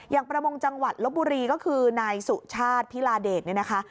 ประมงจังหวัดลบบุรีก็คือนายสุชาติพิลาเดชเนี่ยนะคะ